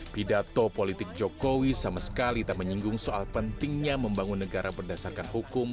pidato politik jokowi sama sekali tak menyinggung soal pentingnya membangun negara berdasarkan hukum